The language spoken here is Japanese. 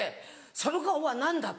「その顔は何だ！」と。